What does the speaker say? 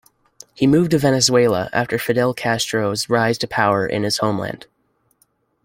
He moved to Venezuela after Fidel Castro's rise to power in his homeland.